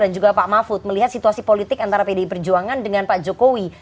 dan juga pak mahfud melihat situasi politik antara pdi perjuangan dengan pak jokowi